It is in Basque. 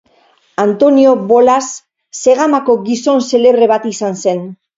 Antonio Bolas Zegamako gizon xelebre bat izan zen.